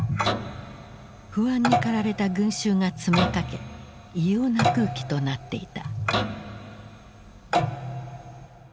不安に駆られた群衆が詰めかけ異様な空気となっていた。